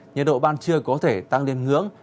nhật độ ban trưa có thể tăng lên hướng